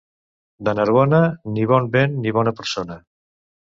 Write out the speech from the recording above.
De Narbona, ni bon vent ni bona persona.